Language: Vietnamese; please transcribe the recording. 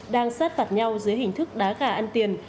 đang sát phạt nhau dưới hình thức đá gà ăn tiền